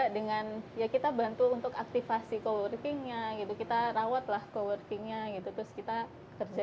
dengan yang kita bantu untuk aktifasi actingnya gitu kita rawatlah cosl shahid terus kita kerja